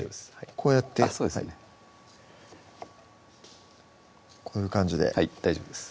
こうやってそうですこういう感じで大丈夫です